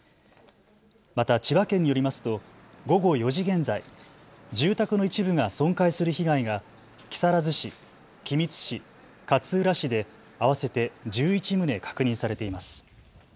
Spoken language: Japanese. また千葉県によりますと午後４時現在、住宅の一部が損壊する被害が木更津市、君津市、勝浦市で合わせて１１棟確認されています。